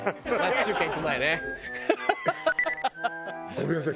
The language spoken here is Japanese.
ごめんなさい。